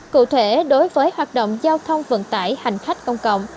cụ thể đối với hoạt động giao thông vận tải hành khách công cộng